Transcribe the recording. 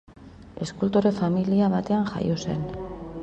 Eskultore familia batean jaio zen.